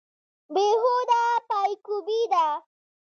بې هوده پایکوبي ده.